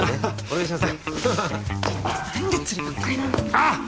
あっ！